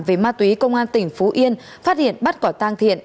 về ma túy công an tỉnh phú yên phát hiện bắt quả tang thiện